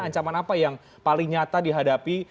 ancaman apa yang paling nyata dihadapi